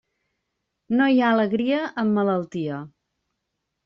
No hi ha alegria amb malaltia.